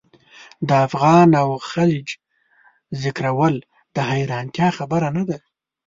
د افغان او خلج ذکرول د حیرانتیا خبره نه ده.